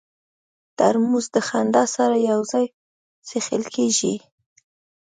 ترموز د خندا سره یو ځای څښل کېږي.